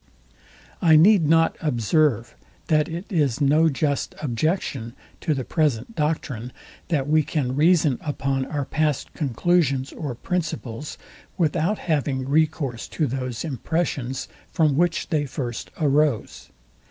I need not observe, that it is no just objection to the present doctrine, that we can reason upon our past conclusions or principles, without having recourse to those impressions, from which they first arose.